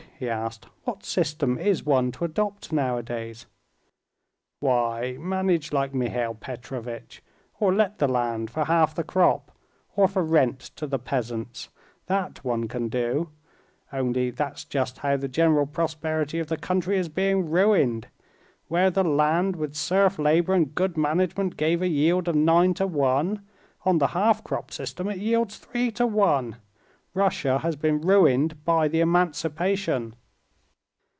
he asked; "what system is one to adopt nowadays?" "Why, manage like Mihail Petrovitch, or let the land for half the crop or for rent to the peasants; that one can do—only that's just how the general prosperity of the country is being ruined. Where the land with serf labor and good management gave a yield of nine to one, on the half crop system it yields three to one. Russia has been ruined by the emancipation!"